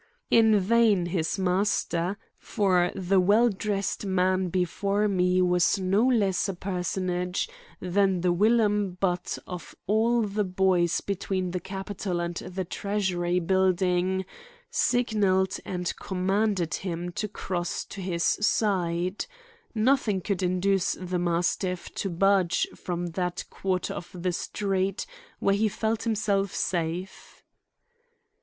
In vain his master,—for the well dressed man before me was no less a personage than the whilom butt of all the boys between the Capitol and the Treasury building,—signaled and commanded him to cross to his side; nothing could induce the mastiff to budge from that quarter of the street where he felt himself safe.